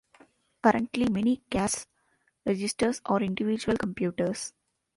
Currently, many cash registers are individual computers.